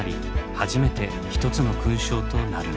初めて１つの勲章となるのです。